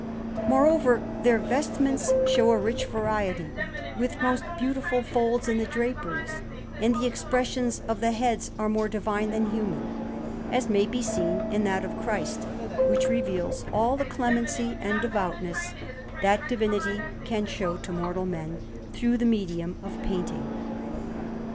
Moreover, their vestments show a rich variety, with most beautiful folds in the draperies, and the expressions of the heads are more Divine than human; as may be seen in that of Christ, which reveals all the clemency and devoutness that Divinity can show to mortal men through the medium of painting.